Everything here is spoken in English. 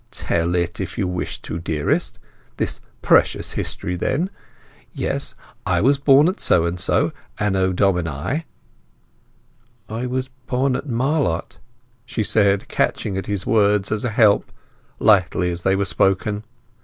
"Tell it if you wish to, dearest. This precious history then. Yes, I was born at so and so, Anno Domini—" "I was born at Marlott," she said, catching at his words as a help, lightly as they were spoken.